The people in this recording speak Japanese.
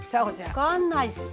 分かんないっす。